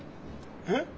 えっ？